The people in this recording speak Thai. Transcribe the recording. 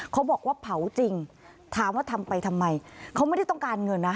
เขาบอกว่าเผาจริงถามว่าทำไปทำไมเขาไม่ได้ต้องการเงินนะ